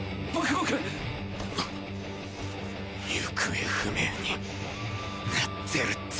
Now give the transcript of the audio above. ゴフ行方不明になってるって。